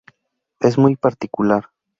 Es muy particular.